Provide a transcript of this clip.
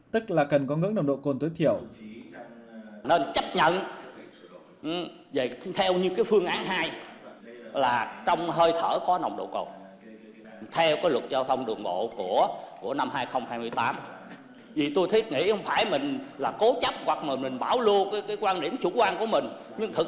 tức là cần có ngưỡng nồng độ cồn tối thiểu